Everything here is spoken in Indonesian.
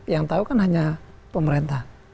yang tahu kan hanya pemerintah